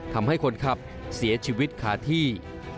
ทำให้คนขับเสียชีวิตคาที่